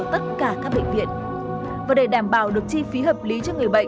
tất cả các bệnh viện và để đảm bảo được chi phí hợp lý cho người bệnh